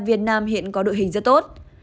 u hai mươi ba việt nam hiện có đội hình rất tốt